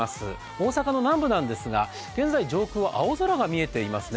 大阪の南部なんですが、現在、上空は青空が見えていますね。